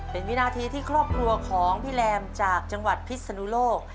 เป็นวินาทีที่ครอบครัวของพี่แรมจากจังหวัดพิศนุโลก